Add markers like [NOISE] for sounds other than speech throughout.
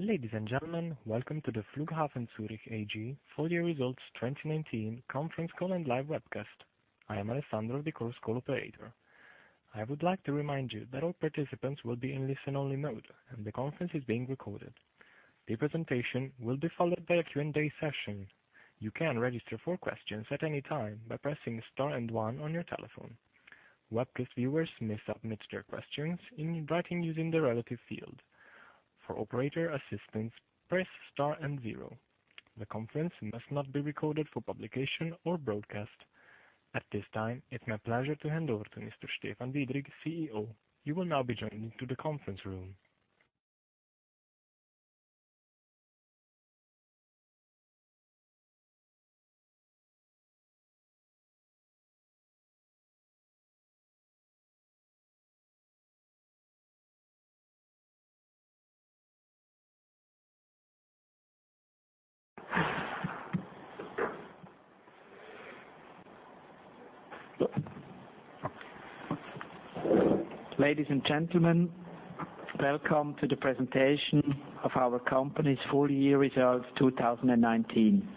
Ladies and gentlemen, welcome to the Flughafen Zürich AG full year results 2019 conference call and live webcast. I am Alessandro, the Conference Call Operator. I would like to remind you that all participants will be in listen-only mode and the conference is being recorded. The presentation will be followed by a Q and A session. You can register for questions at any time by pressing star and one on your telephone. Webcast viewers may submit their questions in writing using the relative field. For operator assistance, press star and zero. The conference must not be recorded for publication or broadcast. At this time, it's my pleasure to hand over to Mr. Stephan Widrig, CEO. You will now be joining to the conference room. Ladies and gentlemen, welcome to the presentation of our company's full year results 2019.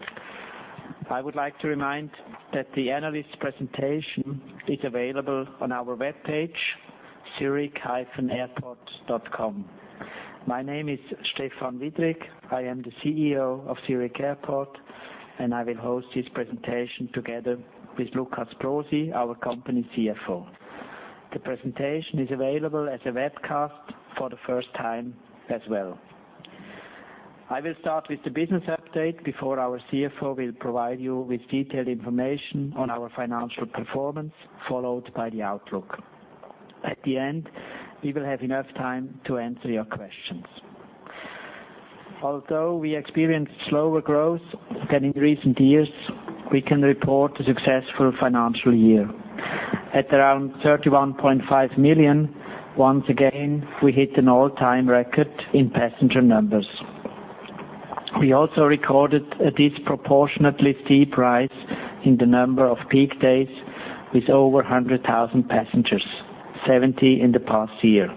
I would like to remind that the analyst presentation is available on our webpage, zuerich-airport.com. My name is Stephan Widrig. I am the CEO of Zurich Airport, and I will host this presentation together with Lukas Brosi, our company CFO. The presentation is available as a webcast for the first time as well. I will start with the business update before our CFO will provide you with detailed information on our financial performance, followed by the outlook. At the end, we will have enough time to answer your questions. Although we experienced slower growth than in recent years, we can report a successful financial year. At around 31.5 million, once again, we hit an all-time record in passenger numbers. We also recorded a disproportionately steep rise in the number of peak days with over 100,000 passengers, 70 in the past year.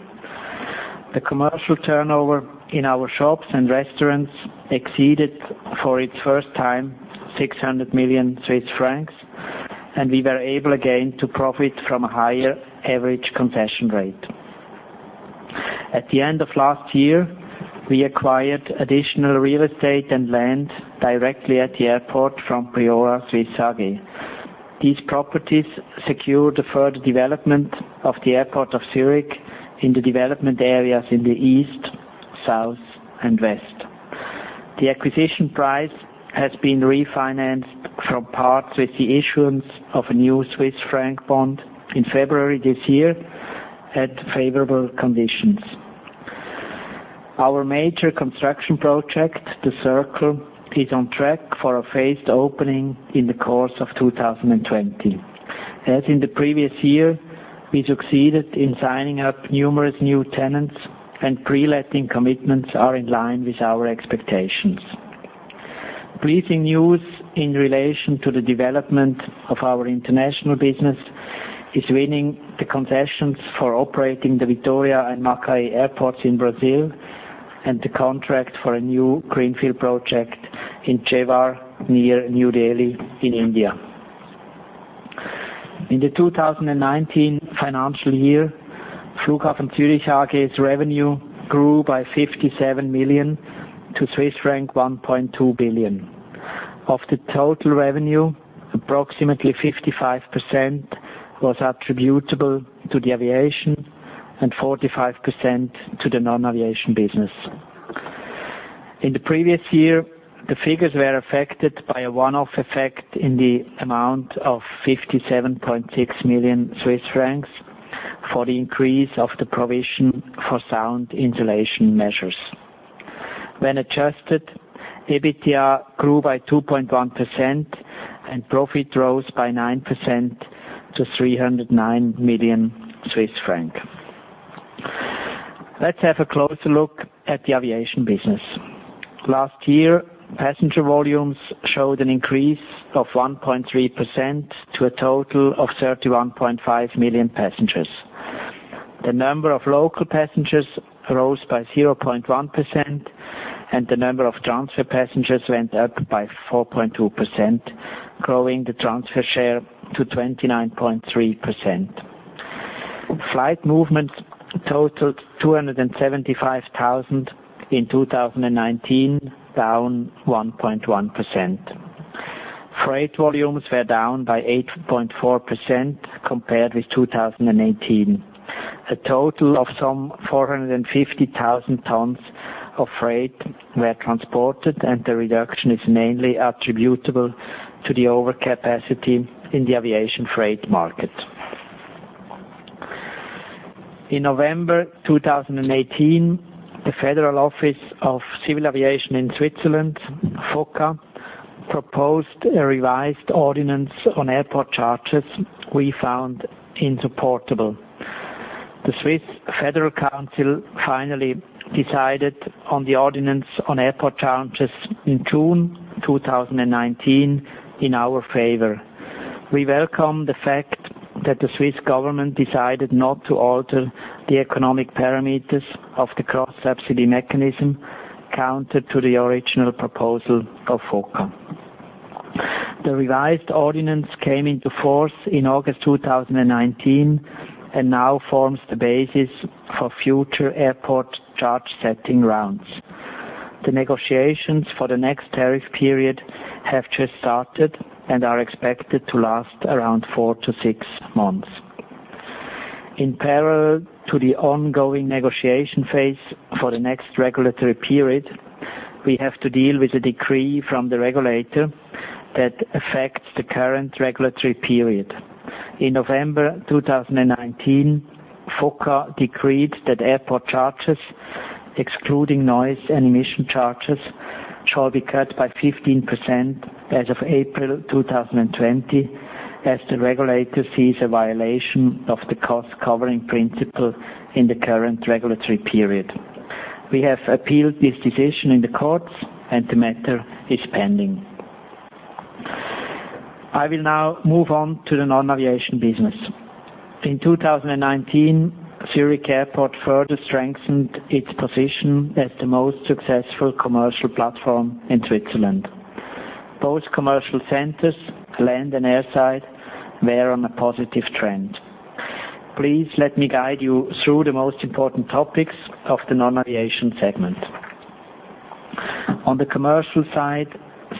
The commercial turnover in our shops and restaurants exceeded for its first time 600 million Swiss francs. We were able again to profit from a higher average concession rate. At the end of last year, we acquired additional real estate and land directly at the airport from Priora Suisse AG. These properties secure the further development of the airport of Zurich in the development areas in the east, south, and west. The acquisition price has been refinanced from parts with the issuance of a new Swiss franc bond in February this year at favorable conditions. Our major construction project, The Circle, is on track for a phased opening in the course of 2020. As in the previous year, we succeeded in signing up numerous new tenants, and pre-letting commitments are in line with our expectations. Pleasing news in relation to the development of our international business is winning the concessions for operating the Vitória and Macaé Airports in Brazil and the contract for a new greenfield project in Jewar, near New Delhi in India. In the 2019 financial year, Flughafen Zürich AG's revenue grew by 57 million to Swiss franc 1.2 billion. Of the total revenue, approximately 55% was attributable to the aviation and 45% to the non-aviation business. In the previous year, the figures were affected by a one-off effect in the amount of 57.6 million Swiss francs for the increase of the provision for sound insulation measures. When adjusted, EBITDA grew by 2.1% and profit rose by 9% to 309 million Swiss francs. Let's have a closer look at the Aviation business. Last year, passenger volumes showed an increase of 1.3% to a total of 31.5 million passengers. The number of local passengers rose by 0.1%, and the number of transfer passengers went up by 4.2%, growing the transfer share to 29.3%. Flight movements totaled 275,000 in 2019, down 1.1%. Freight volumes were down by 8.4% compared with 2018. A total of some 450,000 tons of freight were transported, and the reduction is mainly attributable to the overcapacity in the aviation freight market. In November 2018, the Federal Office of Civil Aviation in Switzerland, FOCA, proposed a revised ordinance on airport charges we found insupportable. The Swiss Federal Council finally decided on the ordinance on airport charges in June 2019 in our favor. We welcome the fact that the Swiss government decided not to alter the economic parameters of the cross-subsidy mechanism, counter to the original proposal of FOCA. The revised ordinance came into force in August 2019 and now forms the basis for future airport charge setting rounds. The negotiations for the next tariff period have just started and are expected to last around four to six months. In parallel to the ongoing negotiation phase for the next regulatory period, we have to deal with a decree from the regulator that affects the current regulatory period. In November 2019, FOCA decreed that airport charges, excluding noise and emission charges, shall be cut by 15% as of April 2020, as the regulator sees a violation of the cost-covering principle in the current regulatory period. We have appealed this decision in the courts, and the matter is pending. I will now move on to the Non-Aviation business. In 2019, Zurich Airport further strengthened its position as the most successful commercial platform in Switzerland. Both commercial centers, land and airside, were on a positive trend. Please let me guide you through the most important topics of the Non-Aviation segment. On the commercial side,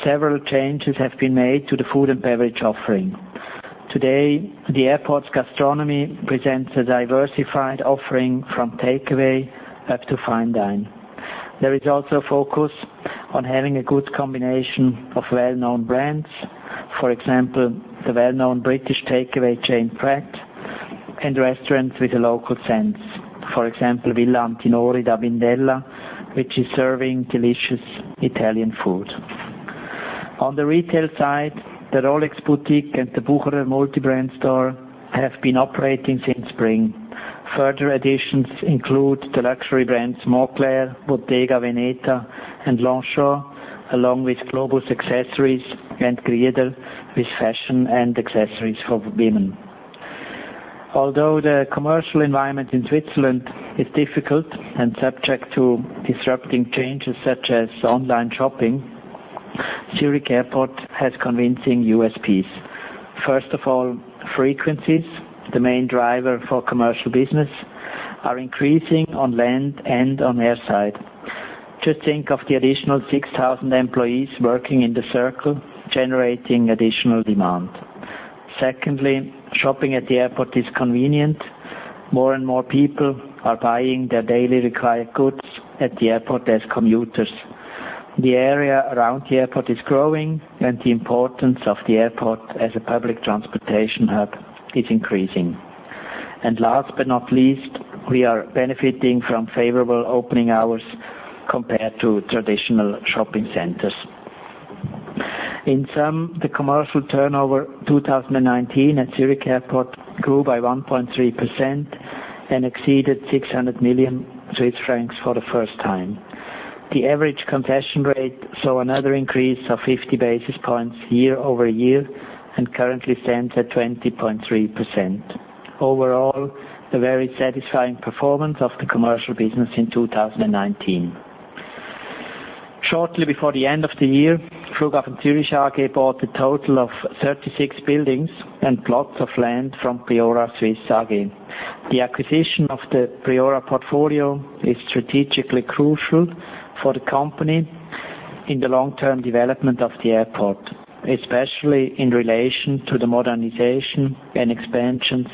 several changes have been made to the food and beverage offering. Today, the airport's gastronomy presents a diversified offering from takeaway up to fine dine. There is also a focus on having a good combination of well-known brands, for example, the well-known British takeaway chain, Pret, and restaurants with a local sense. For example, Villa Antinori da Bindella, which is serving delicious Italian food. On the retail side, the Rolex Boutique and the Bucherer multibrand store have been operating since spring. Further additions include the luxury brands Moncler, Bottega Veneta, and Longchamp, along with Globus accessories and Grieder, with fashion and accessories for women. Although the commercial environment in Switzerland is difficult and subject to disrupting changes such as online shopping, Zurich Airport has convincing USPs. First of all, frequencies, the main driver for commercial business, are increasing on land and on airside. Just think of the additional 6,000 employees working in The Circle, generating additional demand. Secondly, shopping at the airport is convenient. More and more people are buying their daily required goods at the airport as commuters. The area around the airport is growing, and the importance of the airport as a public transportation hub is increasing. And last but not least, we are benefiting from favorable opening hours compared to traditional shopping centers. In sum, the commercial turnover 2019 at Zurich Airport grew by 1.3% and exceeded 600 million Swiss francs for the first time. The average concession rate saw another increase of 50 basis points year-over-year and currently stands at 20.3%. Overall, a very satisfying performance of the commercial business in 2019. Shortly before the end of the year, Flughafen Zürich AG bought a total of 36 buildings and plots of land from Priora Suisse AG. The acquisition of the Priora portfolio is strategically crucial for the company in the long-term development of the airport, especially in relation to the modernization and expansions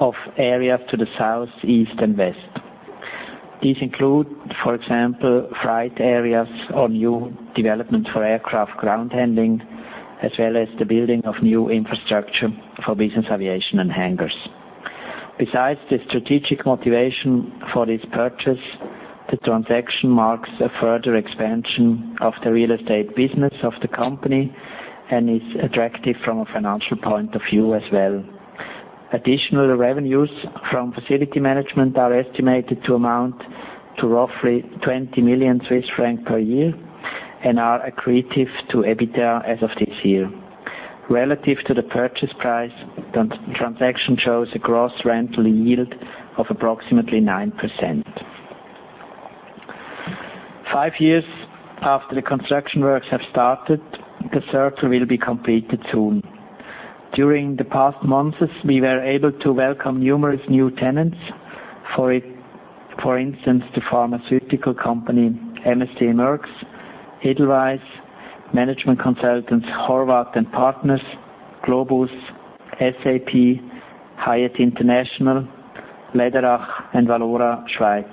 of areas to the south, east, and west. These include, for example, freight areas or new developments for aircraft ground handling, as well as the building of new infrastructure for business aviation and hangars. Besides the strategic motivation for this purchase, the transaction marks a further expansion of the real estate business of the company and is attractive from a financial point of view as well. Additional revenues from facility management are estimated to amount to roughly 20 million Swiss francs per year and are accretive to EBITDA as of this year. Relative to the purchase price, the transaction shows a gross rental yield of approximately 9%. Five years after the construction works have started, The Circle will be completed soon. During the past months, we were able to welcome numerous new tenants, for instance, the pharmaceutical company MSD Merck, Edelweiss, management consultants Horváth & Partners, Globus, SAP, Hyatt International, Läderach, and Valora Schweiz.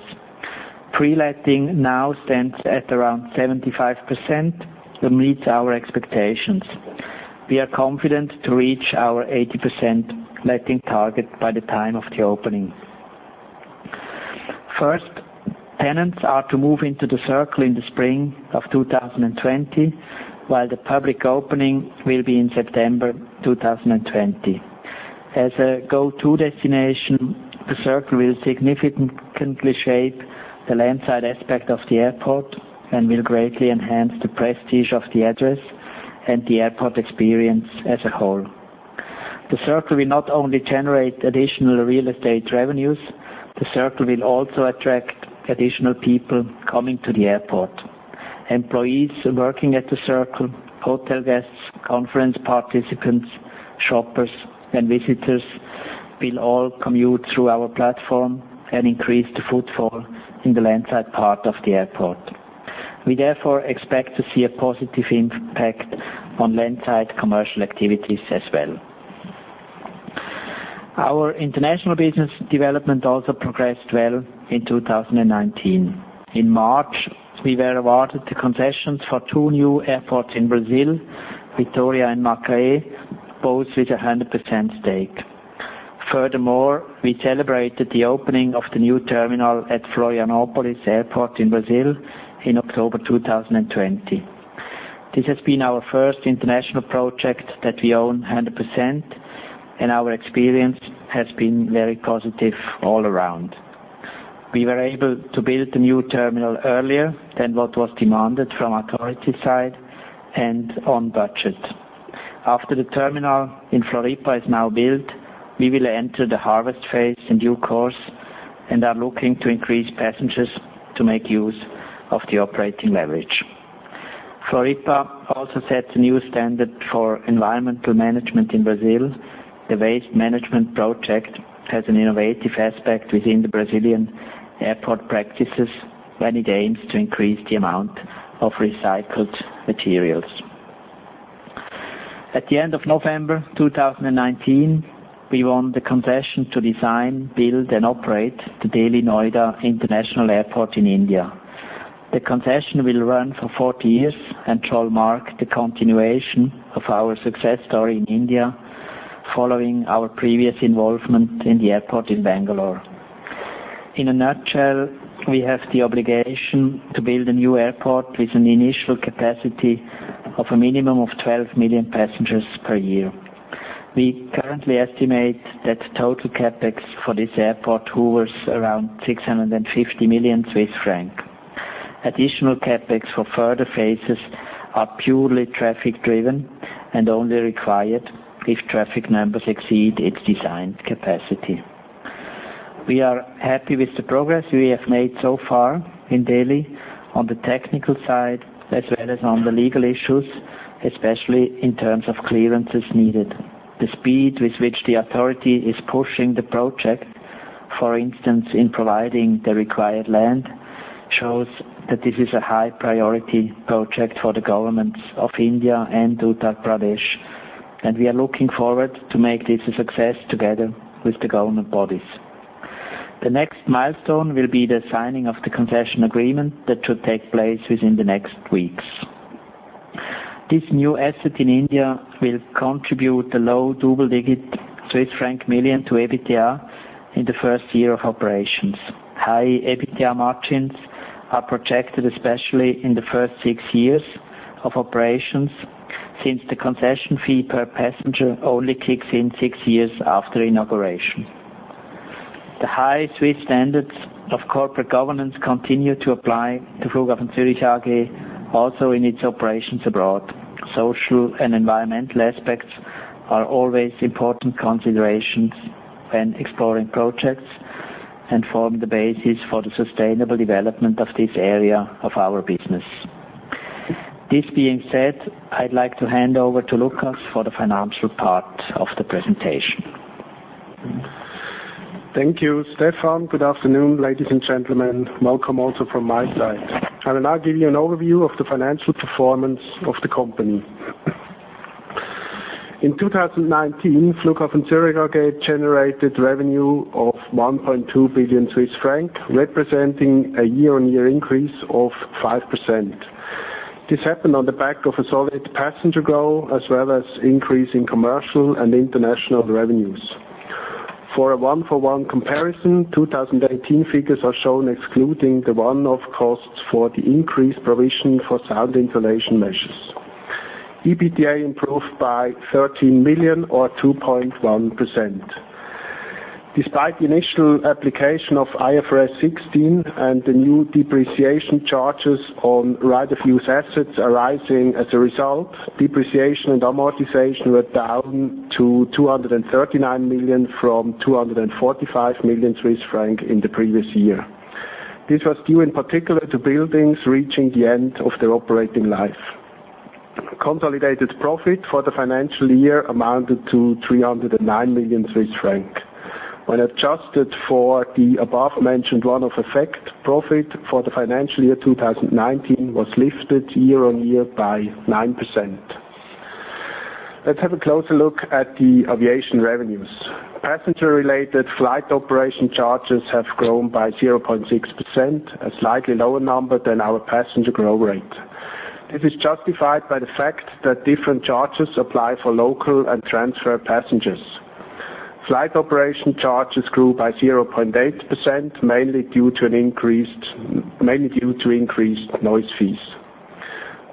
Pre-letting now stands at around 75%, that meets our expectations. We are confident to reach our 80% letting target by the time of the opening. First tenants are to move into The Circle in the spring of 2020, while the public opening will be in September 2020. As a go-to destination, The Circle will significantly shape the landside aspect of the airport and will greatly enhance the prestige of the address and the airport experience as a whole. The Circle will not only generate additional real estate revenues, The Circle will also attract additional people coming to the airport. Employees working at The Circle, hotel guests, conference participants, shoppers, and visitors will all commute through our platform and increase the footfall in the landside part of the airport. We therefore expect to see a positive impact on landside commercial activities as well. Our international business development also progressed well in 2019. In March, we were awarded the concessions for two new airports in Brazil, Vitória and Macaé, both with 100% stake. Furthermore, we celebrated the opening of the new terminal at Florianópolis Airport in Brazil in October 2020. This has been our first international project that we own 100%, and our experience has been very positive all around. We were able to build the new terminal earlier than what was demanded from authority side and on budget. After the terminal in Floripa is now built, we will enter the harvest phase in due course and are looking to increase passengers to make use of the operating leverage. Floripa also sets a new standard for environmental management in Brazil. The waste management project has an innovative aspect within the Brazilian airport practices and it aims to increase the amount of recycled materials. At the end of November 2019, we won the concession to design, build, and operate the Delhi Noida International Airport in India. The concession will run for 40 years and shall mark the continuation of our success story in India following our previous involvement in the airport in Bangalore. In a nutshell, we have the obligation to build a new airport with an initial capacity of a minimum of 12 million passengers per year. We currently estimate that the total CapEx for this airport hovers around 650 million Swiss francs. Additional CapEx for further phases are purely traffic driven and only required if traffic numbers exceed its designed capacity. We are happy with the progress we have made so far in Delhi on the technical side, as well as on the legal issues, especially in terms of clearances needed. The speed with which the authority is pushing the project, for instance, in providing the required land, shows that this is a high priority project for the governments of India and Uttar Pradesh, and we are looking forward to make this a success together with the government bodies. The next milestone will be the signing of the concession agreement that should take place within the next weeks. This new asset in India will contribute a low double-digit Swiss franc million to EBITDA in the first year of operations. High EBITDA margins are projected especially in the first six years of operations, since the concession fee per passenger only kicks in six years after inauguration. The high Swiss standards of corporate governance continue to apply to Flughafen Zürich AG also in its operations abroad. Social and environmental aspects are always important considerations when exploring projects and form the basis for the sustainable development of this area of our business. This being said, I'd like to hand over to Lukas for the financial part of the presentation. Thank you, Stephan. Good afternoon, ladies and gentlemen. Welcome also from my side. I will now give you an overview of the financial performance of the company. In 2019, Flughafen Zürich AG generated revenue of 1.2 billion Swiss francs, representing a year-on-year increase of 5%. This happened on the back of a solid passenger growth, as well as increase in commercial and international revenues. For a one-off comparison, 2018 figures are shown excluding the one-off costs for the increased provision for sound insulation measures. EBITDA improved by 13 million or 2.1%. Despite the initial application of IFRS 16 and the new depreciation charges on right of use assets arising as a result, depreciation and amortization were down to 239 million from 245 million Swiss franc in the previous year. This was due in particular to buildings reaching the end of their operating life. Consolidated profit for the financial year amounted to 309 million Swiss francs. When adjusted for the above-mentioned one-off effect, profit for the financial year 2019 was lifted year-on-year by 9%. Let's have a closer look at the aviation revenues. Passenger-related flight operation charges have grown by 0.6%, a slightly lower number than our passenger growth rate. This is justified by the fact that different charges apply for local and transfer passengers. Flight operation charges grew by 0.8%, mainly due to increased noise fees.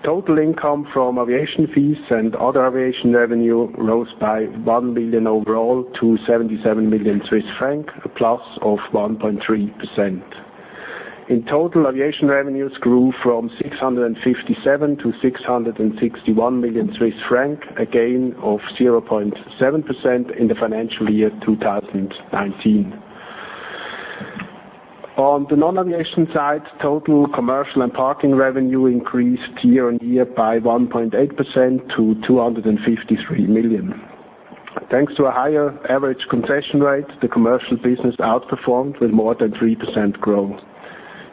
Total income from aviation fees and other aviation revenue rose by 1 billion overall to 77 million Swiss franc, a plus of 1.3%. In total, Aviation revenues grew from 657 million to 661 million Swiss francs, a gain of 0.7% in the financial year 2019. On the Non-Aviation side, total commercial and parking revenue increased year-on-year by 1.8% to 253 million. Thanks to a higher average concession rate, the commercial business outperformed with more than 3% growth.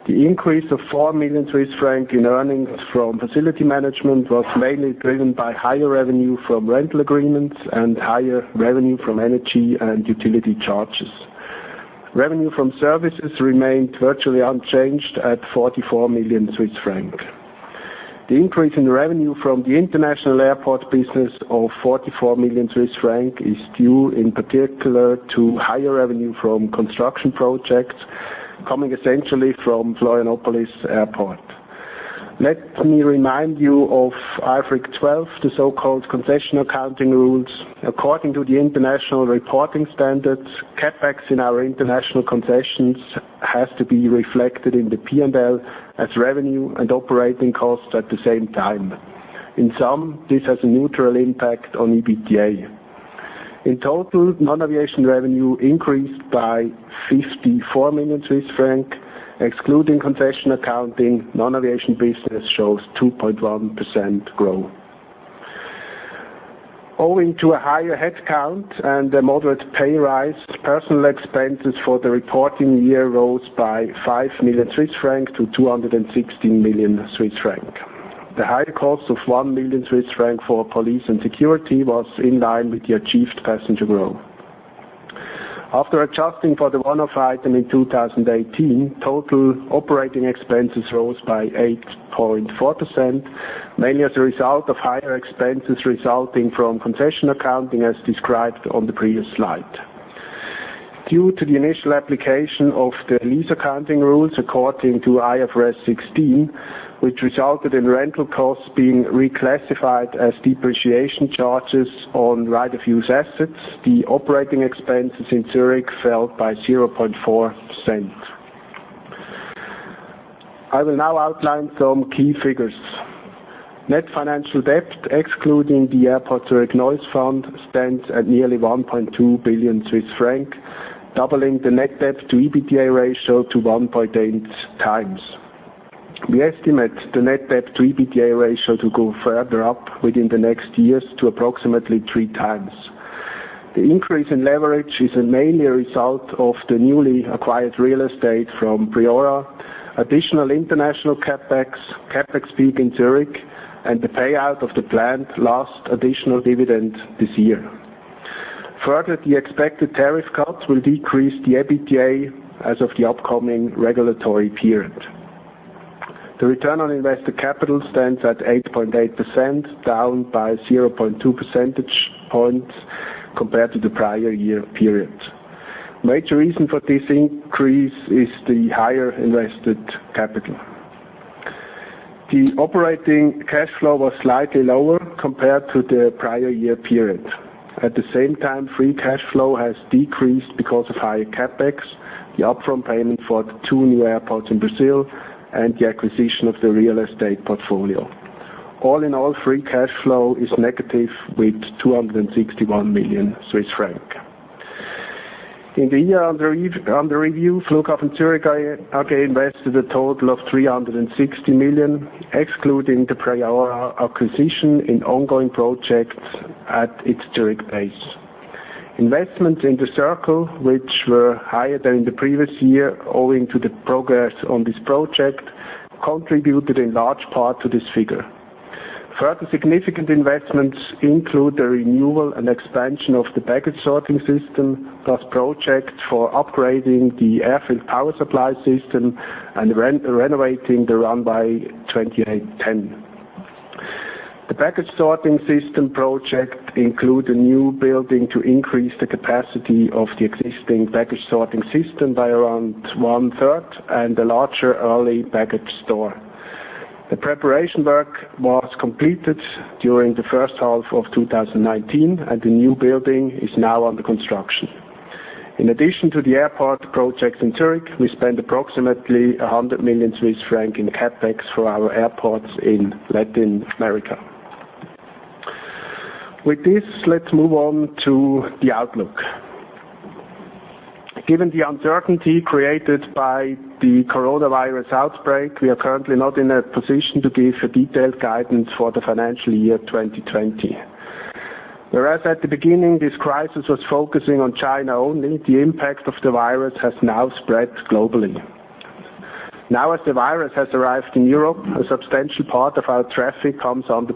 The increase of 4 million Swiss francs in earnings from facility management was mainly driven by higher revenue from rental agreements and higher revenue from energy and utility charges. Revenue from services remained virtually unchanged at 44 million Swiss francs. The increase in revenue from the international airport business of 44 million Swiss francs is due in particular to higher revenue from construction projects, coming essentially from Florianópolis Airport. Let me remind you of IFRIC 12, the so-called concessional accounting rules. According to the international reporting standards, CapEx in our international concessions has to be be reflected in the P&L as revenue and operating costs at the same time. In sum, this has a neutral impact on EBITDA. In total, non-aviation revenue increased by 54 million Swiss francs. Excluding concession accounting, non-aviation business shows 2.1% growth. Owing to a higher headcount and a moderate pay rise, personal expenses for the reporting year rose by 5 million Swiss francs to 216 million Swiss francs. The higher cost of 1 million Swiss francs for police and security was in line with the achieved passenger growth. After adjusting for the one-off item in 2018, total operating expenses rose by 8.4%, mainly as a result of higher expenses resulting from concession accounting, as described on the previous slide. Due to the initial application of the lease accounting rules according to IFRS 16, which resulted in rental costs being reclassified as depreciation charges on right of use assets, the operating expenses in Zurich fell by 0.4%. I will now outline some key figures. Net financial debt, excluding the Airport Zurich Noise Fund, stands at nearly 1.2 billion Swiss franc, doubling the net debt to EBITDA ratio to 1.8x. We estimate the net debt to EBITDA ratio to go further up within the next years to approximately three times. The increase in leverage is mainly a result of the newly acquired real estate from Priora, additional international CapEx peak in Zurich, and the payout of the planned last additional dividend this year. The expected tariff cuts will decrease the EBITDA as of the upcoming regulatory period. The return on invested capital stands at 8.8%, down by 0.2 percentage points compared to the prior year period. Major reason for this increase is the higher invested capital. The operating cash flow was slightly lower compared to the prior year period. At the same time, free cash flow has decreased because of higher CapEx, the upfront payment for the two new airports in Brazil, and the acquisition of the real estate portfolio. All in all, free cash flow is negative with 261 million Swiss francs. In the year under review, Flughafen Zürich AG invested a total of 360 million, excluding the Priora acquisition in ongoing projects at its Zurich base. Investments in The Circle, which were higher than in the previous year owing to the progress on this project, contributed in large part to this figure. Further significant investments include the renewal and expansion of the package sorting system, plus project for upgrading the airfield power supply system and renovating the Runway 28/10. The package sorting system project include a new building to increase the capacity of the existing package sorting system by around one-third and a larger early package store. The preparation work was completed during the first half of 2019, and the new building is now under construction. In addition to the airport projects in Zurich, we spent approximately 100 million Swiss francs in CapEx for our airports in Latin America. With this, let's move on to the outlook. Given the uncertainty created by the coronavirus outbreak, we are currently not in a position to give a detailed guidance for the financial year 2020. Whereas at the beginning, this crisis was focusing on China only, the impact of the virus has now spread globally. Now that the virus has arrived in Europe, a substantial part of our traffic comes under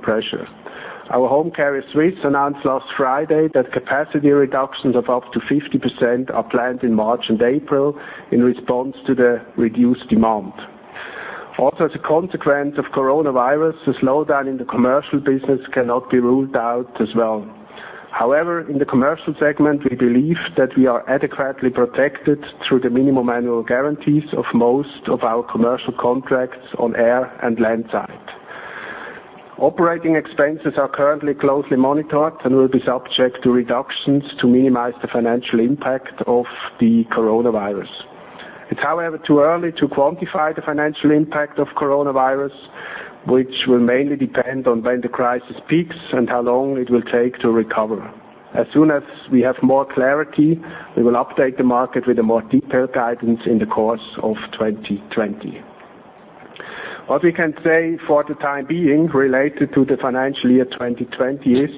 pressure. Our home carrier, Swiss, announced last Friday that capacity reductions of up to 50% are planned in March and April in response to the reduced demand. As a consequence of coronavirus, a slowdown in the commercial business cannot be ruled out as well. In the commercial segment, we believe that we are adequately protected through the minimum annual guarantees of most of our commercial contracts on air and land side. Operating expenses are currently closely monitored and will be subject to reductions to minimize the financial impact of the coronavirus. It's however too early to quantify the financial impact of coronavirus, which will mainly depend on when the crisis peaks and how long it will take to recover. As soon as we have more clarity, we will update the market with a more detailed guidance in the course of 2020. What we can say for the time being related to the financial year 2020 is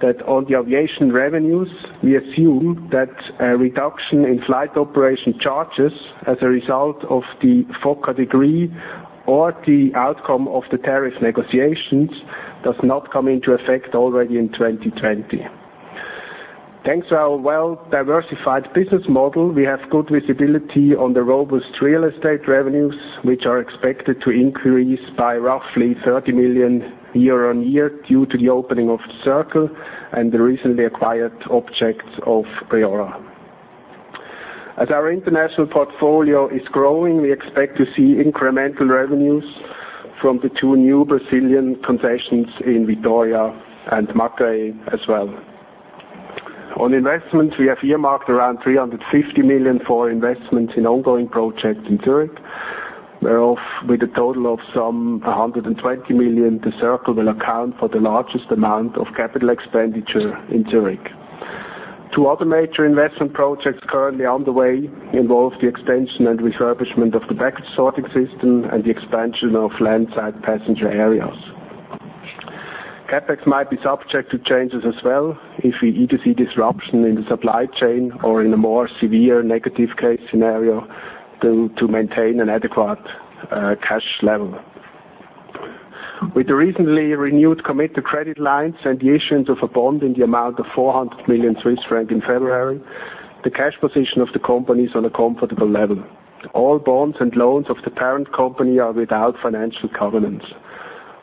that on the Aviation revenues, we assume that a reduction in flight operation charges as a result of the FOCA decree or the outcome of the tariff negotiations does not come into effect already in 2020. Thanks to our well-diversified business model, we have good visibility on the robust real estate revenues, which are expected to increase by roughly 30 million year on year due to the opening of The Circle and the recently acquired objects of Priora. As our international portfolio is growing, we expect to see incremental revenues from the two new Brazilian concessions in Vitória and Macaé as well. On investments, we have earmarked around 350 million for investments in ongoing projects in Zurich, whereof with a total of some 120 million, The Circle will account for the largest amount of capital expenditure in Zurich. Two other major investment projects currently underway involve the extension and refurbishment of the baggage sorting system and the expansion of landside passenger areas. CapEx might be subject to changes as well if we either see disruption in the supply chain or in a more severe negative case scenario to maintain an adequate cash level. With the recently renewed committed credit lines and the issuance of a bond in the amount of 400 million Swiss francs in February, the cash position of the company is on a comfortable level. All bonds and loans of the parent company are without financial covenants.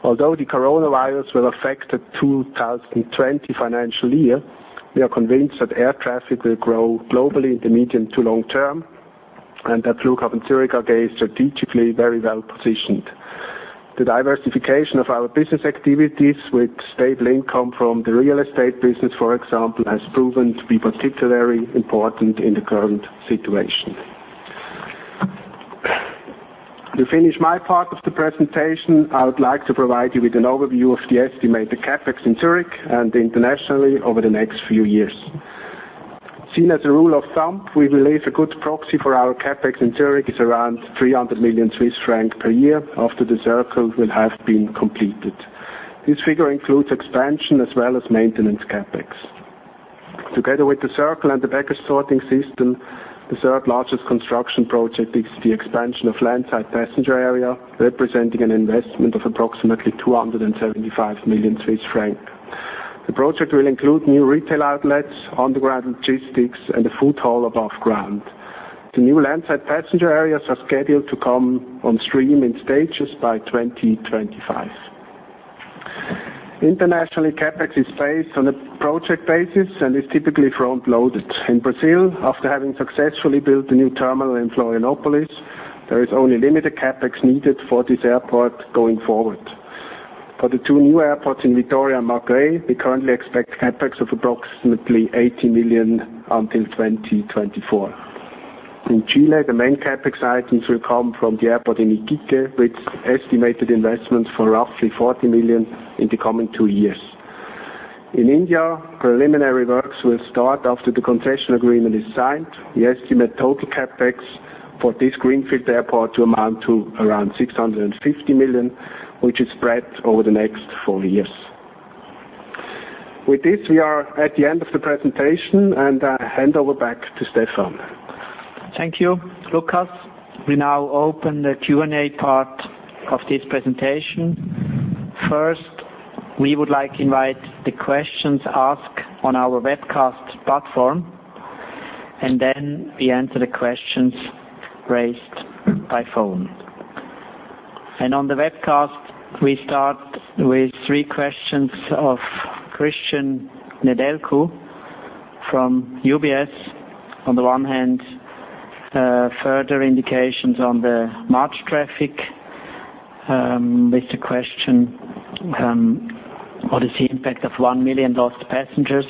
Although the coronavirus will affect the 2020 financial year, we are convinced that air traffic will grow globally in the medium to long term, and that Flughafen Zürich AG is strategically very well-positioned. The diversification of our business activities with stable income from the real estate business, for example, has proven to be particularly important in the current situation. To finish my part of the presentation, I would like to provide you with an overview of the estimated CapEx in Zurich and internationally over the next few years. Seen as a rule of thumb, we believe a good proxy for our CapEx in Zurich is around 300 million Swiss francs per year after The Circle will have been completed. This figure includes expansion as well as maintenance CapEx. Together with The Circle and the baggage sorting system, the third largest construction project is the expansion of landside passenger area, representing an investment of approximately 275 million Swiss francs. The project will include new retail outlets, underground logistics, and a food hall above ground. The new landside passenger areas are scheduled to come on stream in stages by 2025. Internationally, CapEx is phased on a project basis and is typically front-loaded. In Brazil, after having successfully built the new terminal in Florianópolis, there is only limited CapEx needed for this airport going forward. For the two new airports in Vitória and Macaé, we currently expect CapEx of approximately 80 million until 2024. In Chile, the main CapEx items will come from the airport in Iquique, with estimated investments for roughly 40 million in the coming two years. In India, preliminary works will start after the concession agreement is signed. We estimate total CapEx for this greenfield airport to amount to around 650 million, which is spread over the next four years. With this, we are at the end of the presentation, and I hand over back to Stephan. Thank you, Lukas. We now open the Q and A part of this presentation. First, we would like to invite the questions asked on our webcast platform, and then we answer the questions raised by phone. On the webcast, we start with three questions of Cristian Nedelcu from UBS. On the one hand, further indications on the March traffic with the question, what is the impact of 1 million lost passengers?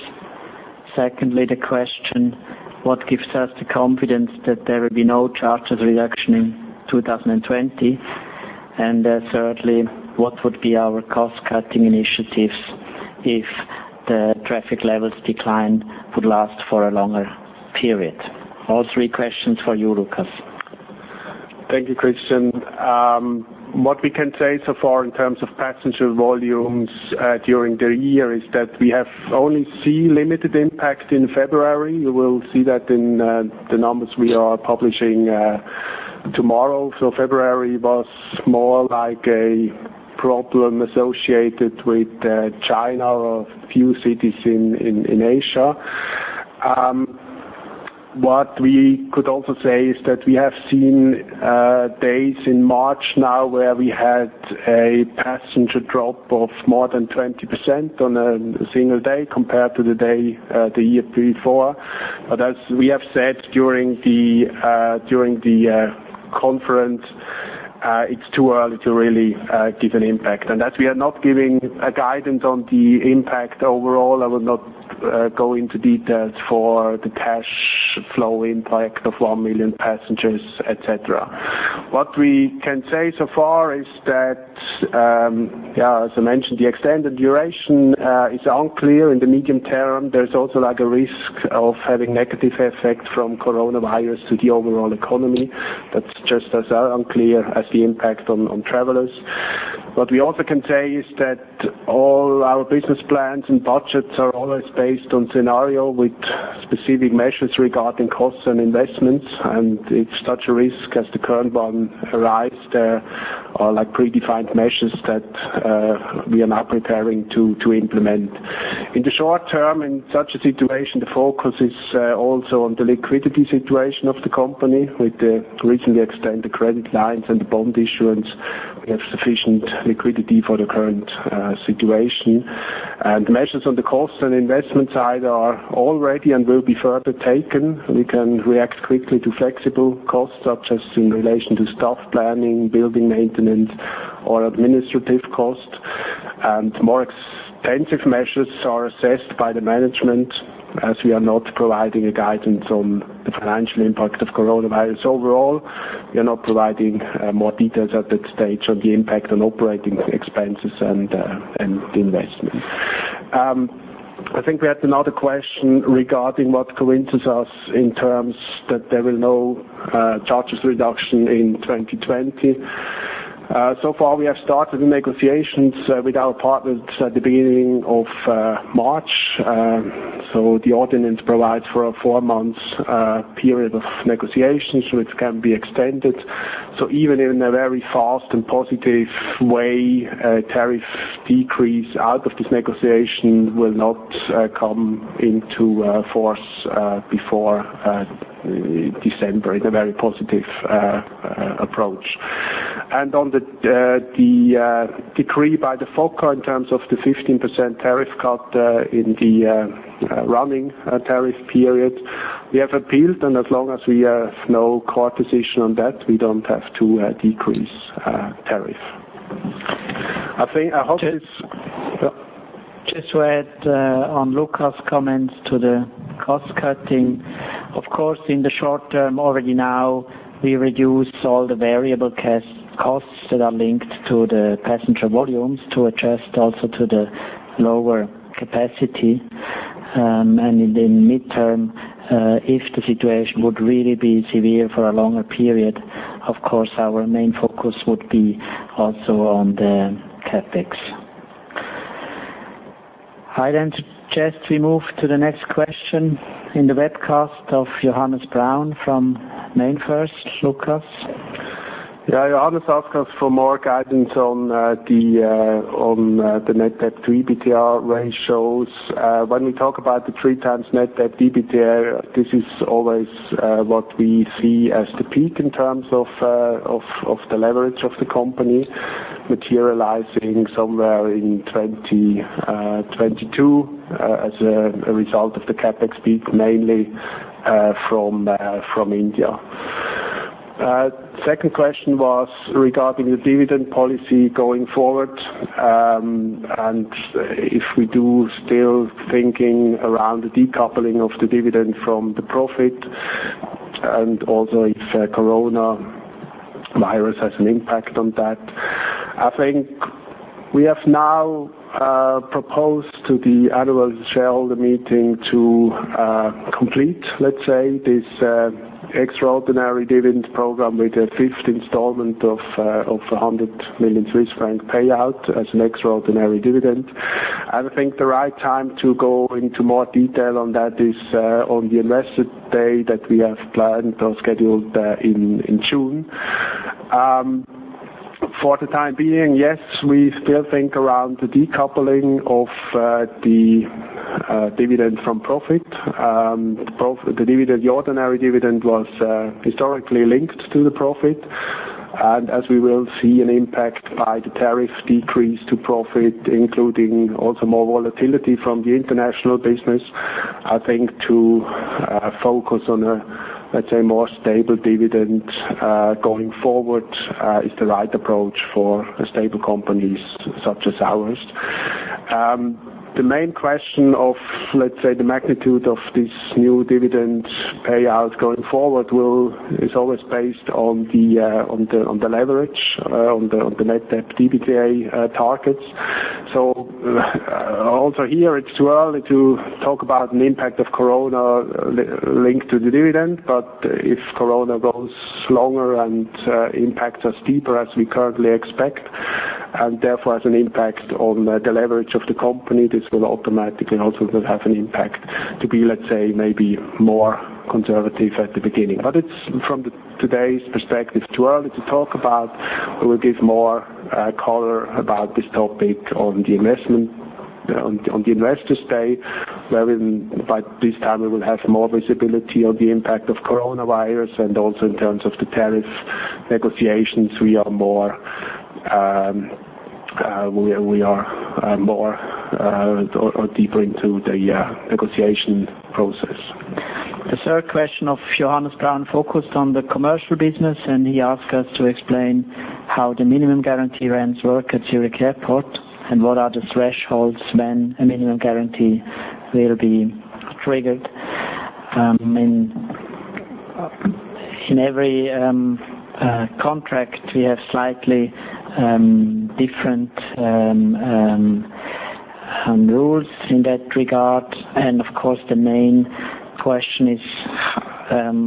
Secondly, the question, what gives us the confidence that there will be no charges reduction in 2020? Thirdly, what would be our cost-cutting initiatives if the traffic levels decline would last for a longer period? All three questions for you, Lukas. Thank you, Cristian. What we can say so far in terms of passenger volumes during the year is that we have only seen limited impact in February. You will see that in the numbers we are publishing tomorrow. February was more like a problem associated with China or a few cities in Asia. What we could also say is that we have seen days in March now where we had a passenger drop of more than 20% on a single day compared to the day the year before. As we have said during the conference, it's too early to really give an impact. As we are not giving a guidance on the impact overall, I will not go into details for the cash flow impact of 1 million passengers, et cetera. What we can say so far is that, as I mentioned, the extended duration is unclear in the medium term. There's also a risk of having negative effect from coronavirus to the overall economy. That's just as unclear as the impact on travelers. What we also can say is that all our business plans and budgets are always based on scenario with specific measures regarding costs and investments, and if such a risk as the current one arise, there are predefined measures that we are now preparing to implement. In the short term, in such a situation, the focus is also on the liquidity situation of the company. With the recently extended credit lines and bond issuance, we have sufficient liquidity for the current situation. Measures on the cost and investment side are already and will be further taken. We can react quickly to flexible costs, such as in relation to staff planning, building maintenance, or administrative cost. More extensive measures are assessed by the management. As we are not providing a guidance on the financial impact of coronavirus overall, we are not providing more details at this stage on the impact on operating expenses and investment. I think we had another question regarding what coincides us in terms that there will no charges reduction in 2020. Far, we have started the negotiations with our partners at the beginning of March. The ordinance provides for a four-month period of negotiations, which can be extended. Even in a very fast and positive way, tariff decrease out of this negotiation will not come into force before December in a very positive approach. On the decree by the FOCA in terms of the 15% tariff cut in the running tariff period, we have appealed, and as long as we have no court decision on that, we don't have to decrease tariff. Just to add on Lukas comments to the cost cutting. Of course, in the short term already now, we reduced all the variable costs that are linked to the passenger volumes to adjust also to the lower capacity. In the midterm, if the situation would really be severe for a longer period, of course, our main focus would be also on the CapEx. I then suggest we move to the next question in the webcast of Johannes Braun from MainFirst. Lukas. Yeah. Johannes asked us for more guidance on the net debt to EBITDA ratios. When we talk about the 3x net debt to EBITDA, this is always what we see as the peak in terms of the leverage of the company materializing somewhere in 2022 as a result of the CapEx peak, mainly from India. Second question was regarding the dividend policy going forward, and if we do still thinking around the decoupling of the dividend from the profit, and also if coronavirus has an impact on that. I think we have now proposed to the annual shareholder meeting to complete, let's say, this extraordinary dividend program with a fifth installment of 100 million Swiss franc payout as an extraordinary dividend. I think the right time to go into more detail on that is on the Investor Day that we have planned or scheduled in June. For the time being, yes, we still think around the decoupling of the dividend from profit. The ordinary dividend was historically linked to the profit. As we will see an impact by the tariff decrease to profit, including also more volatility from the international business, I think to focus on a, let's say, more stable dividend going forward is the right approach for stable companies such as ours. The main question of, let's say, the magnitude of this new dividend payout going forward is always based on the leverage, on the net debt to EBITDA targets. Also here, it's too early to talk about an impact of corona linked to the dividend. If corona goes longer and impacts us deeper as we currently expect, and therefore has an impact on the leverage of the company, this will automatically also have an impact to be, let's say, maybe more conservative at the beginning. It's from today's perspective, too early to talk about. We will give more color about this topic on the Investors' Day, by this time, we will have more visibility on the impact of coronavirus and also in terms of the tariff negotiations, we are deeper into the negotiation process. The third question of Johannes Braun focused on the commercial business. He asked us to explain how the minimum guarantee rents work at Zurich Airport and what are the thresholds when a minimum guarantee will be triggered. In every contract, we have slightly different rules in that regard. Of course, the main question is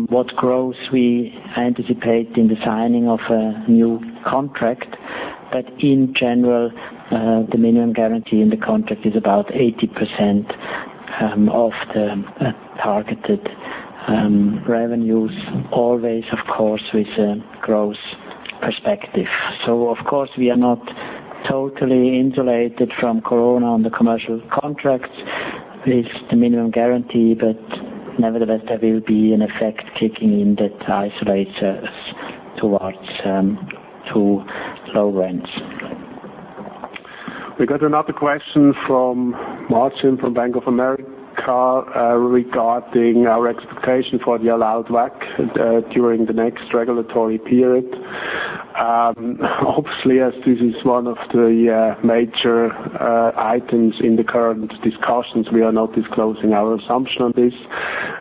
what growth we anticipate in the signing of a new contract. In general, the minimum guarantee in the contract is about 80% of the targeted revenues. Always, of course, with a growth perspective. Of course, we are not totally insulated from corona on the commercial contracts with the minimum guarantee, but nevertheless, there will be an effect kicking in that isolates us towards too low rents. We've got another question from Martin from Bank of America regarding our expectation for the allowed work during the next regulatory period. Hopefully, as this is one of the major items in the current discussions, we are not disclosing our assumption on this.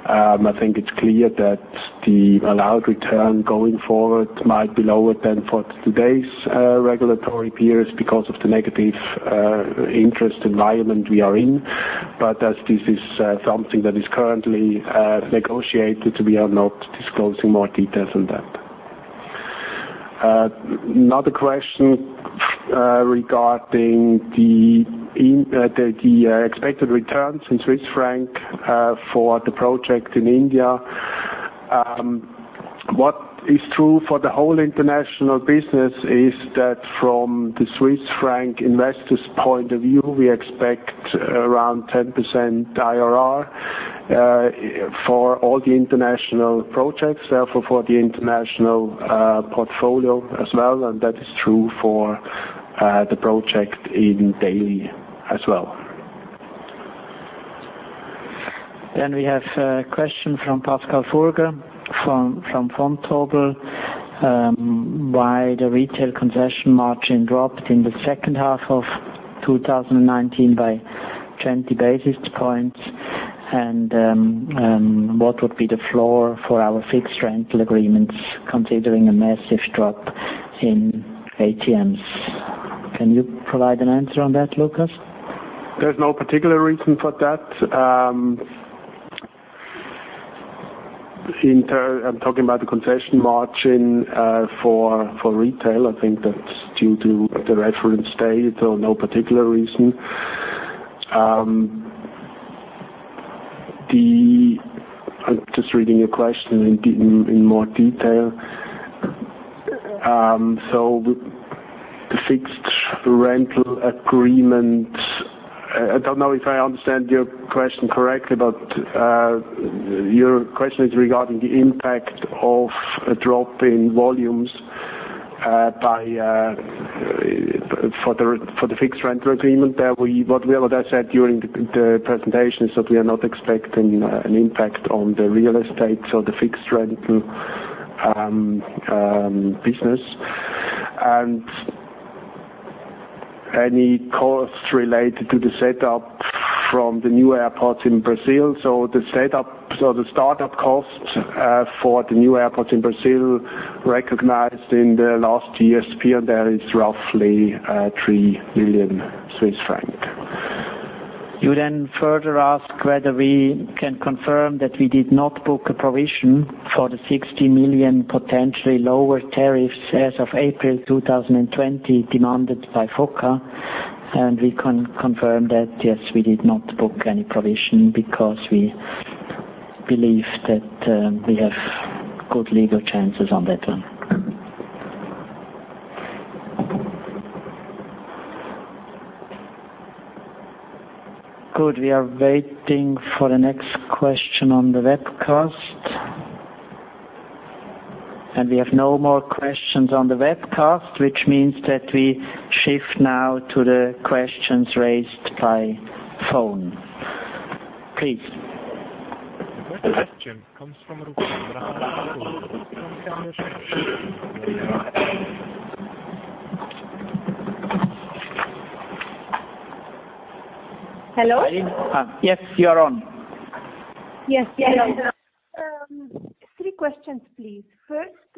I think it's clear that the allowed return going forward might be lower than for today's regulatory periods because of the negative interest environment we are in. As this is something that is currently negotiated, we are not disclosing more details on that. Another question regarding the expected returns in Swiss franc for the project in India. What is true for the whole international business is that from the Swiss franc investors' point of view, we expect around 10% IRR for all the international projects, therefore for the international portfolio as well, and that is true for the project in Delhi as well. We have a question from Pascal Furger from Vontobel. Why the retail concession margin dropped in the second half of 2019 by 20 basis points, and what would be the floor for our fixed rental agreements considering a massive drop in ATMs? Can you provide an answer on that, Lukas? There's no particular reason for that. I'm talking about the concession margin for retail. I think that's due to the reference date or no particular reason. I'm just reading your question in more detail. The fixed rental agreement, I don't know if I understand your question correctly, but your question is regarding the impact of a drop in volumes for the fixed rental agreement there. What we already said during the presentation is that we are not expecting an impact on the real estate, so the fixed rental business. Any costs related to the setup from the new airports in Brazil. The startup costs for the new airports in Brazil recognized in the last GSP are there. It's roughly 3 million Swiss francs. You then further ask whether we can confirm that we did not book a provision for the 60 million potentially lower tariffs as of April 2020 demanded by FOCA, and we can confirm that, yes, we did not book any provision because we believe that we have good legal chances on that one. Good. We are waiting for the next question on the webcast. We have no more questions on the webcast, which means that we shift now to the questions raised by phone. Please. The next question comes from Ruth. [AUDIO DISTORTION] Hello? Yes, you are on. Yes. Three questions, please. First,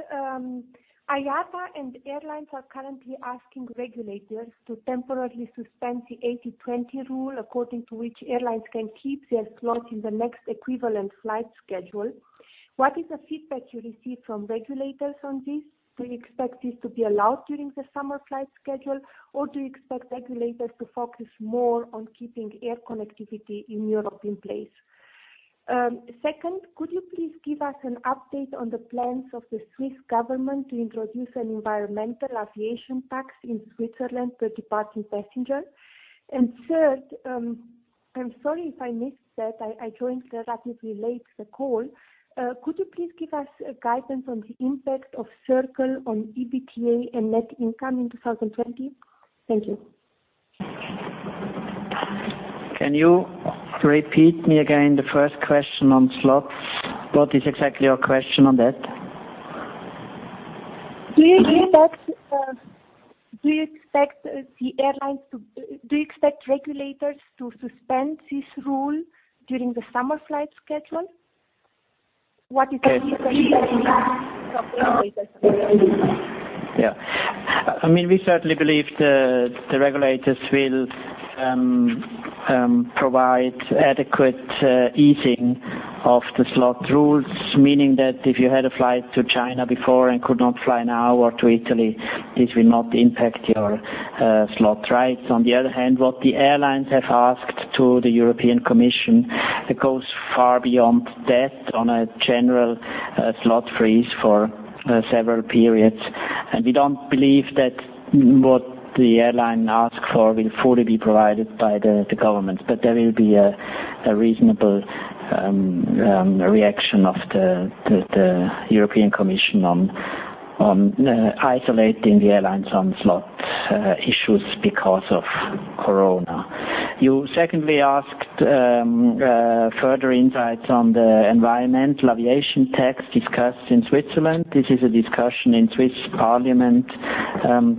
IATA and airlines are currently asking regulators to temporarily suspend the 80/20 rule, according to which airlines can keep their slot in the next equivalent flight schedule. What is the feedback you received from regulators on this? Do you expect this to be allowed during the summer flight schedule, or do you expect regulators to focus more on keeping air connectivity in Europe in place? Second, could you please give us an update on the plans of the Swiss government to introduce an environmental aviation tax in Switzerland per departing passenger? Third, I'm sorry if I missed that, I joined relatively late the call. Could you please give us a guidance on the impact of The Circle on EBITDA and net income in 2020? Thank you. Can you repeat me again the first question on slots? What is exactly your question on that? Do you expect regulators to suspend this rule during the summer flight schedule? What is [AUDIO DISTORTION] Yeah. We certainly believe the regulators will provide adequate easing of the slot rules, meaning that if you had a flight to China before and could not fly now or to Italy, this will not impact your slot rights. What the airlines have asked to the European Commission, it goes far beyond that on a general slot freeze for several periods. We don't believe that what the airline asked for will fully be provided by the government, but there will be a reasonable reaction of the European Commission on isolating the airlines on slot issues because of corona. You secondly asked further insights on the environmental aviation tax discussed in Switzerland. This is a discussion in Swiss Parliament.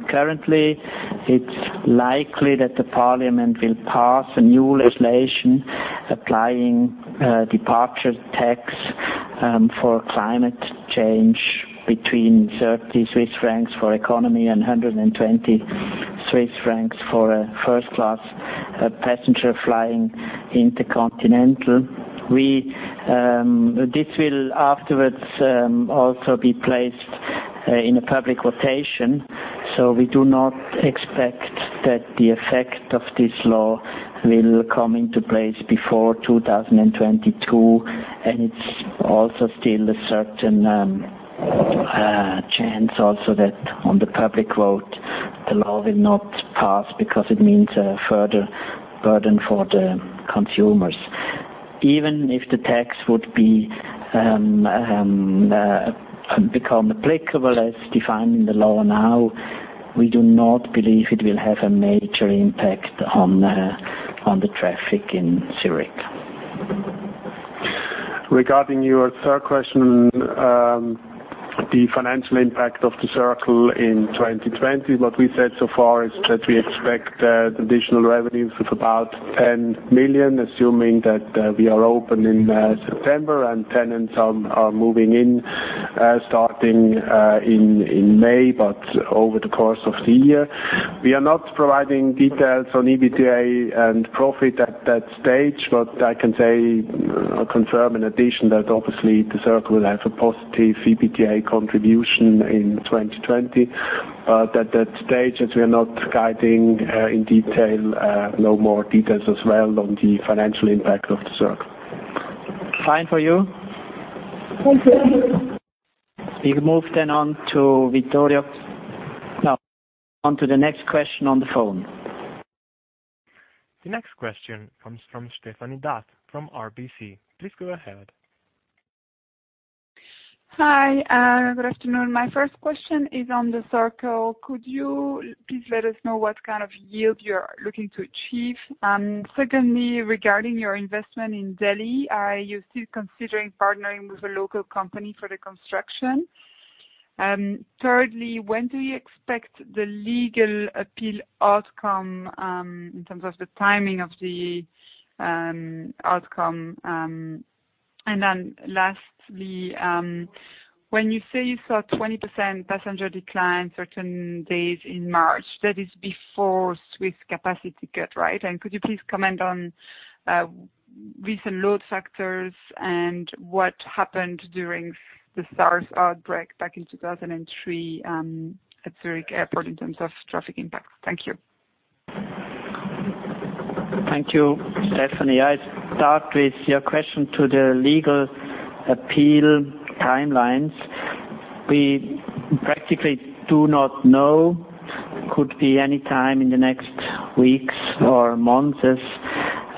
Currently, it's likely that the parliament will pass a new legislation applying departure tax for climate change between 30 Swiss francs for economy and 120 Swiss francs for a first class passenger flying intercontinental. This will afterwards also be placed in a public quotation, so we do not expect that the effect of this law will come into place before 2022. It's also still a certain chance also that on the public vote, the law will not pass because it means a further burden for the consumers. Even if the tax would become applicable as defined in the law now, we do not believe it will have a major impact on the traffic in Zurich. Regarding your third question, the financial impact of The Circle in 2020, what we said so far is that we expect additional revenues of about 10 million, assuming that we are open in September and tenants are moving in starting in May, but over the course of the year. We are not providing details on EBITDA and profit at that stage, but I can confirm in addition that obviously The Circle will have a positive EBITDA contribution in 2020. At that stage as we are not guiding in detail, no more details as well on the financial impact of The Circle. Fine for you? Thank you. We move on to Vittorio. No. On to the next question on the phone. The next question comes from Stéphanie D'Ath from RBC. Please go ahead. Hi, good afternoon. My first question is on The Circle. Could you please let us know what kind of yield you're looking to achieve? Secondly, regarding your investment in Delhi, are you still considering partnering with a local company for the construction? Thirdly, when do you expect the legal appeal outcome, in terms of the timing of the outcome? Lastly, when you say you saw 20% passenger decline certain days in March, that is before Swiss capacity cut, right? Could you please comment on recent load factors and what happened during the SARS outbreak back in 2003 at Zurich Airport in terms of traffic impact? Thank you. Thank you, Stephanie. I start with your question to the legal appeal timelines. We practically do not know, could be any time in the next weeks or months as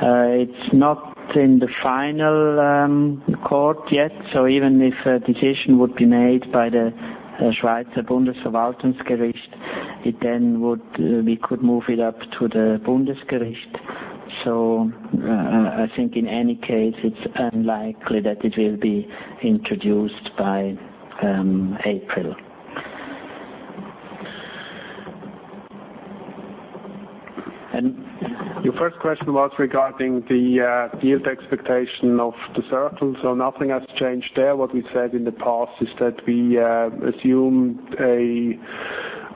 it's not in the final court yet. Even if a decision would be made by the Schweizer Bundesverwaltungsgericht, we could move it up to the Bundesgericht. I think in any case, it's unlikely that it will be introduced by April. Your first question was regarding the yield expectation of The Circle. Nothing has changed there. What we said in the past is that we assumed a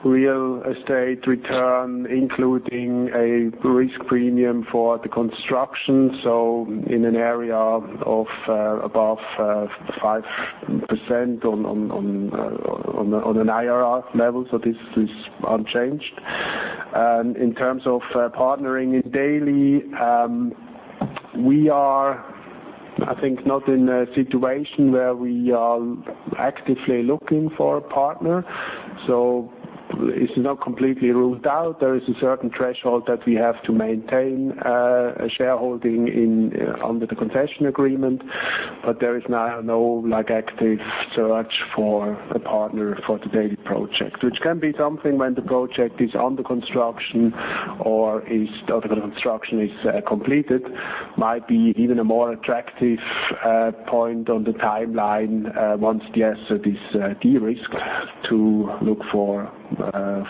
real estate return, including a risk premium for the construction, in an area of above 5% on an IRR level. This is unchanged. In terms of partnering in Delhi, we are, I think not in a situation where we are actively looking for a partner. It's not completely ruled out. There is a certain threshold that we have to maintain a shareholding under the concession agreement, there is no active search for a partner for the Delhi project. Which can be something when the project is under construction or if the construction is completed, might be even a more attractive point on the timeline, once it is de-risked, to look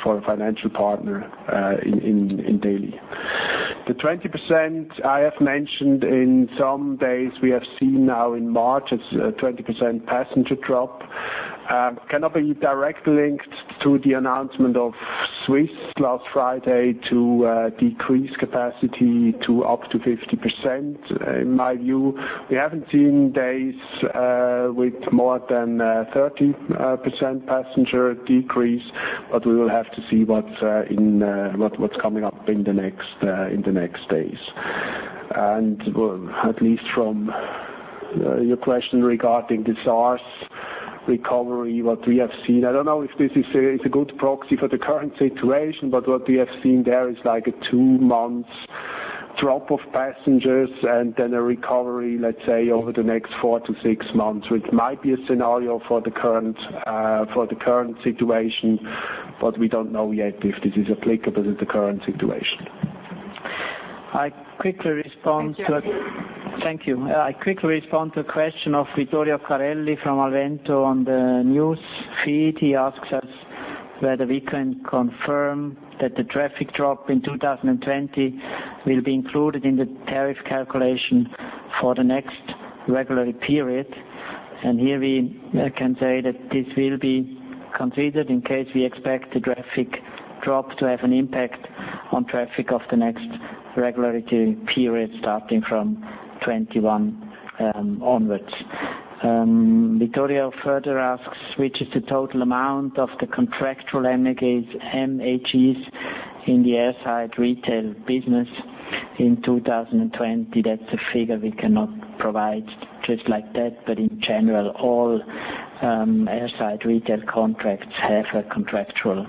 for a financial partner in Delhi. The 20% I have mentioned in some days, we have seen now in March a 20% passenger drop, cannot be directly linked to the announcement of SWISS last Friday to decrease capacity to up to 50%. In my view, we haven't seen days with more than 30% passenger decrease, we will have to see what's coming up in the next days. At least from your question regarding the SARS recovery, what we have seen, I don't know if this is a good proxy for the current situation, what we have seen there is like a two months drop of passengers and then a recovery, let's say, over the next four to six months, which might be a scenario for the current situation, we don't know yet if this is applicable to the current situation. I quickly respond to. Thank you. Thank you. I quickly respond to a question of Vittorio Corelli from Alvento on the news feed. He asks us whether we can confirm that the traffic drop in 2020 will be included in the tariff calculation for the next regulatory period. Here we can say that this will be considered in case we expect the traffic drop to have an impact on traffic of the next regulatory period starting from 2021 onwards. Vittorio further asks, which is the total amount of the contractual MAGs in the airside retail business in 2020. That's a figure we cannot provide just like that, in general, all airside retail contracts have a contractual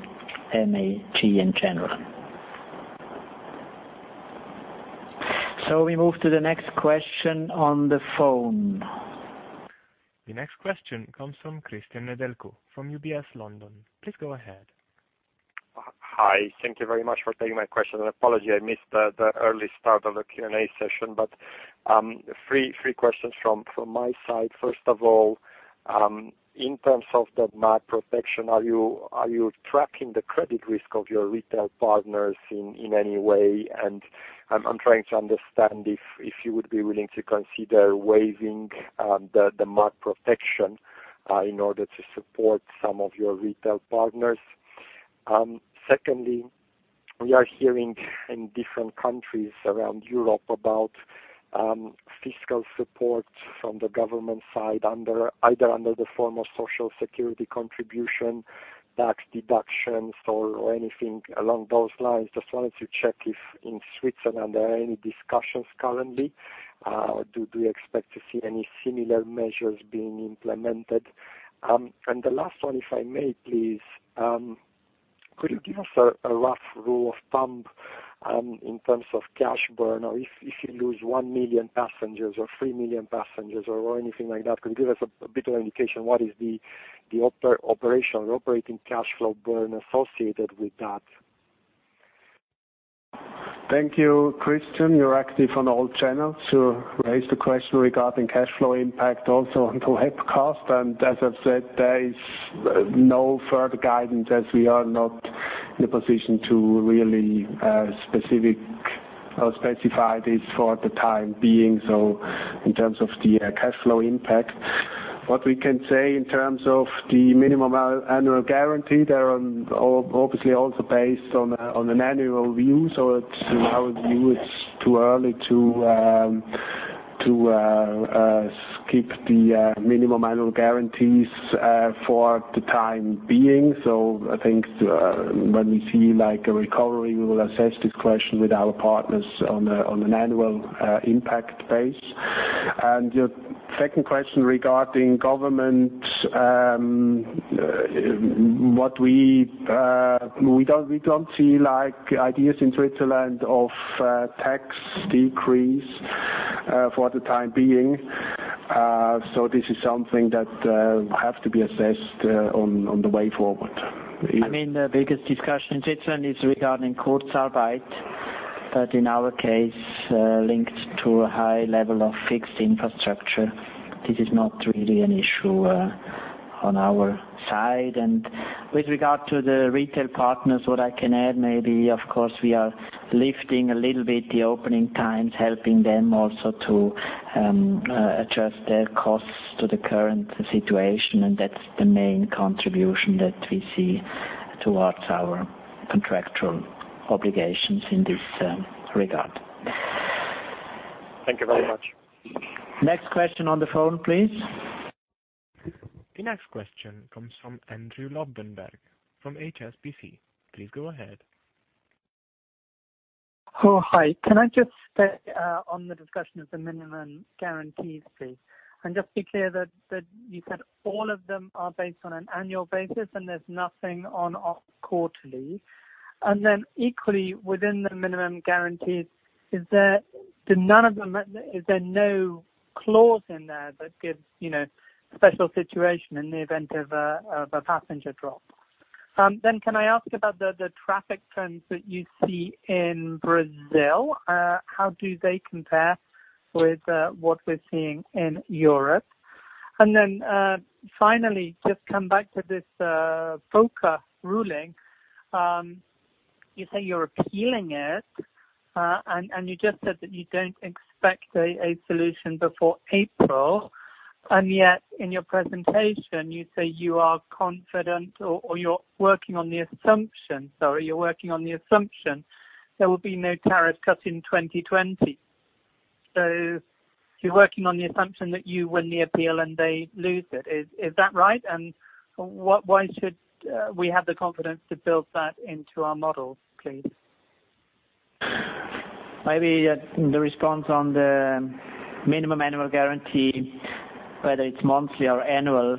MAG in general. We move to the next question on the phone. The next question comes from Cristian Nedelcu from UBS London. Please go ahead. Hi. Thank you very much for taking my question. Apology, I missed the early start of the Q and A session. Three questions from my side. First of all, in terms of the MAG protection, are you tracking the credit risk of your retail partners in any way? I'm trying to understand if you would be willing to consider waiving the MAG protection in order to support some of your retail partners. Secondly, we are hearing in different countries around Europe about fiscal support from the government side, either under the form of social security contribution, tax deductions, or anything along those lines. Just wanted to check if in Switzerland there are any discussions currently. Do you expect to see any similar measures being implemented? The last one, if I may please. Could you give us a rough rule of thumb in terms of cash burn or if you lose 1 million passengers or 3 million passengers or anything like that, could you give us a bit of indication what is the operating cash flow burn associated with that? Thank you, Cristian. You're active on all channels to raise the question regarding cash flow impact also into Hepcost. As I've said, there is no further guidance as we are not in a position to really specify this for the time being, in terms of the cash flow impact. What we can say in terms of the minimum annual guarantee, they are obviously also based on an annual view. In our view, it's too early to skip the minimum annual guarantees for the time being. I think when we see a recovery, we will assess this question with our partners on an annual impact base. Your second question regarding government, we don't see ideas in Switzerland of tax decrease for the time being. This is something that will have to be assessed on the way forward. The biggest discussion in Switzerland is regarding Kurzarbeit, but in our case, linked to a high level of fixed infrastructure. This is not really an issue on our side. With regard to the retail partners, what I can add maybe, of course, we are lifting a little bit the opening times, helping them also to adjust their costs to the current situation, and that's the main contribution that we see towards our contractual obligations in this regard. Thank you very much. Next question on the phone, please. The next question comes from Andrew Lobbenberg of HSBC. Please go ahead. Oh, hi. Can I just stay on the discussion of the minimum guarantees, please? Just be clear that you said all of them are based on an annual basis, and there's nothing on quarterly. Equally, within the minimum guarantees, is there no clause in there that gives special situation in the event of a passenger drop? Can I ask about the traffic trends that you see in Brazil? How do they compare with what we're seeing in Europe? Finally, just come back to this FOCA ruling. You say you're appealing it, and you just said that you don't expect a solution before April, and yet in your presentation, you say you are confident or you're working on the assumption, sorry, you're working on the assumption there will be no tariff cut in 2020. You're working on the assumption that you win the appeal and they lose it. Is that right? Why should we have the confidence to build that into our models, please? Maybe the response on the minimum annual guarantee, whether it's monthly or annual.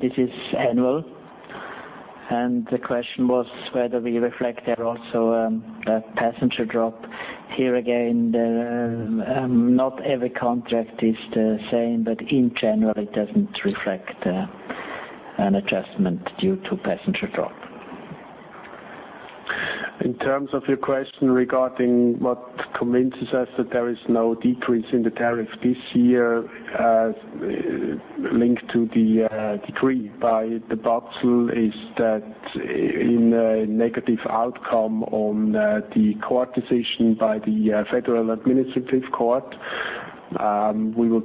This is annual. The question was whether we reflect there also a passenger drop. Here again, not every contract is the same, but in general, it doesn't reflect an adjustment due to passenger drop. In terms of your question regarding what convinces us that there is no decrease in the tariff this year as linked to the decree by the FOCA is that in a negative outcome on the court decision by the Federal Administrative Court, we will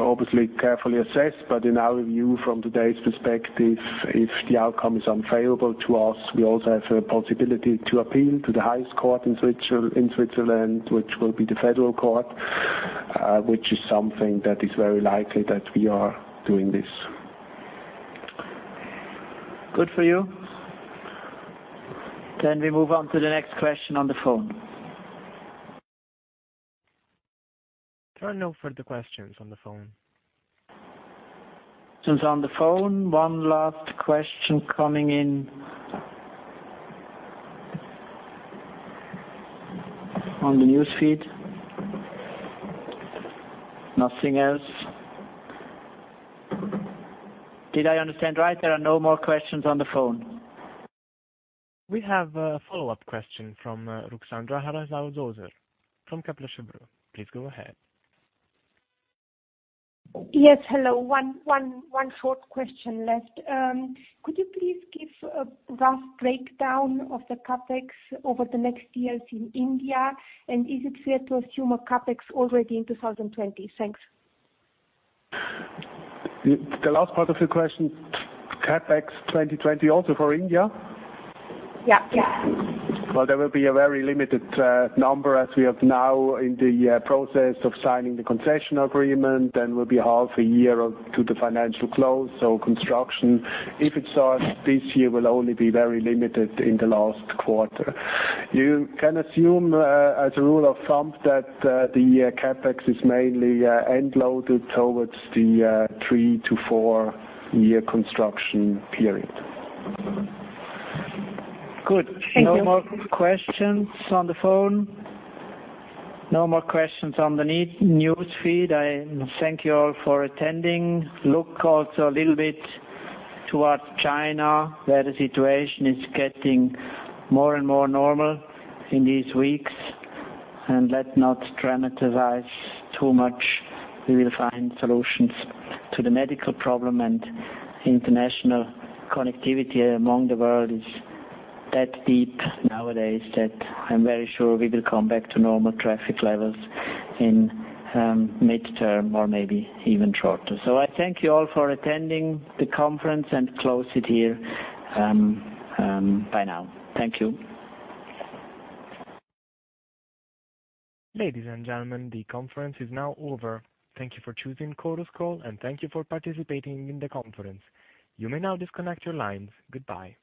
obviously carefully assess, but in our view, from today's perspective, if the outcome is unfavorable to us, we also have a possibility to appeal to the highest court in Switzerland, which will be the Federal Court, which is something that is very likely that we are doing this. Good for you. We move on to the next question on the phone. There are no further questions on the phone. Since on the phone, one last question coming in on the news feed. Nothing else. Did I understand right? There are no more questions on the phone. We have a follow-up question from Ruxandra Haradau-Döser from Kepler Cheuvreux. Please go ahead. Yes. Hello. One short question left. Could you please give a rough breakdown of the CapEx over the next years in India, and is it fair to assume a CapEx already in 2020? Thanks. The last part of your question, CapEx 2020 also for India? Yeah. Well, there will be a very limited number as we are now in the process of signing the concession agreement, then we'll be half a year to the financial close. Construction, if it starts this year, will only be very limited in the last quarter. You can assume, as a rule of thumb, that the CapEx is mainly end-loaded towards the three to four-year construction period. Good. Thank you. No more questions on the phone. No more questions on the news feed. I thank you all for attending. Look also a little bit towards China, where the situation is getting more and more normal in these weeks. Let's not dramatize too much. We will find solutions to the medical problem. International connectivity among the world is that deep nowadays that I'm very sure we will come back to normal traffic levels in mid-term or maybe even shorter. I thank you all for attending the conference and close it here by now. Thank you. Ladies and gentlemen, the conference is now over. Thank you for choosing Chorus Call, and thank you for participating in the conference. You may now disconnect your lines. Goodbye.